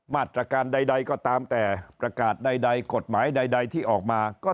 มาตรการใดก็ตามแต่ประกาศใดกฎหมายใดที่ออกมาก็